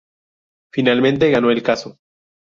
Finalmente, ganó el caso.